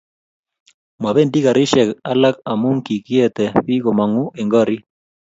mabendi karisiek alak amu kikiete biik komong'u eng' korik